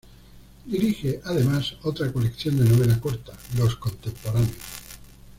Dirige, además, otra colección de novela corta, "Los Contemporáneos".